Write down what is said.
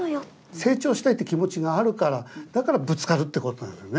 成長したいって気持ちがあるからだからぶつかるってことなんですよね。